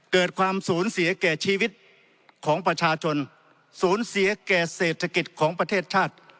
เกิดความสูญเสียแก่ชีวิตของประชาชนสูญเสียแก่เศรษฐกิจของประเทศชาติ